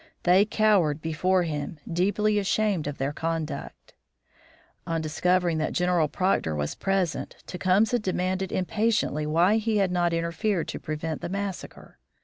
They cowered before him, deeply ashamed of their conduct. On discovering that General Proctor was present, Tecumseh demanded impatiently why he had not interfered to prevent the massacre.